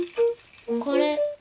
これ。